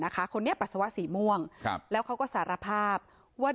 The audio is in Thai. คนนี้ปัสสาวะสีม่วงแล้วเขาก็สารภาพว่า